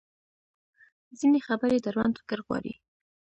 ځینې خبرې دروند فکر غواړي.